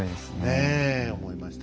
ねえ思いました。